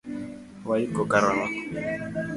Waiko karango